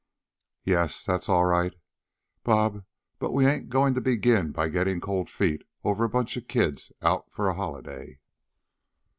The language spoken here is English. "Yes, that's all right, Bob, but we ain't going to begin by getting cold feet over a bunch of kids out for a holiday."